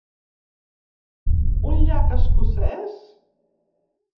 Un llac escocès?